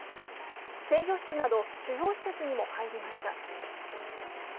制御室など主要施設にも入りました。